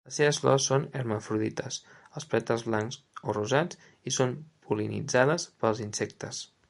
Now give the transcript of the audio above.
Les seves flors són hermafrodites, els pètals blancs o rosats i són pol·linitzades pels insectes.